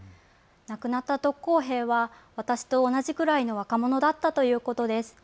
亡くなった特攻兵は私と同じくらいの若者だったということです。